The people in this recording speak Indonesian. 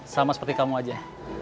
sama seperti kamu aja